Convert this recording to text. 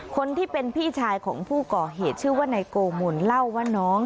คนที่เป็นพี่ชายของผู้ก่อเหตุชื่อว่านายโกมลเล่าว่าน้อง